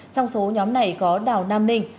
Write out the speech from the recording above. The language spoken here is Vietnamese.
trong số nhóm này có đào nam ninh